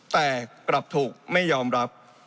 แต่กลับถูกไม่ยอมรับ